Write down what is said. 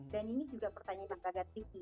dan ini juga pertanyaan yang agak tinggi